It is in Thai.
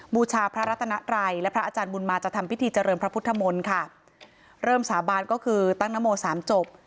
บูชาพระรัตนไตรและพระอาจารย์บุญมาจะทำพิธีเจริญพระพุทธมนต์ค่ะเริ่มสาบานก็คือตั้งนโมสามจบ